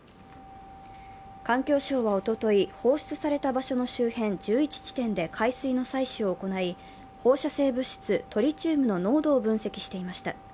環境省はおととい、放出された場所の周辺１１地点で、海水の採取を行い、放射性物質トリチウムの濃度を分析していました。